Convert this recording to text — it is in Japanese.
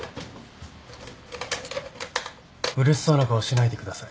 うれしそうな顔しないでください。